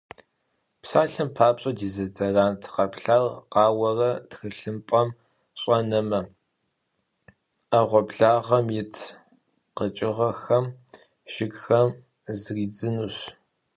Псалъэм папщӏэ, дезодорант къэплъар къауэрэ тхылъымпӏэм щӏэнэмэ, ӏэгъуэблагъэм ит къэкӏыгъэхэм, жыгхэм зридзынущ.